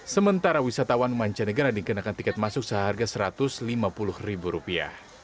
sementara wisatawan mancanegara dikenakan tiket masuk seharga satu ratus lima puluh ribu rupiah